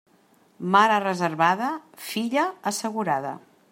Mare reservada, filla assegurada.